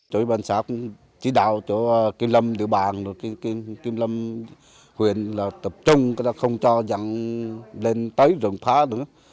chủ yếu bàn xã cũng chỉ đạo cho kim lâm địa bàn kim lâm huyện tập trung không cho dặn lên tới rừng phá nữa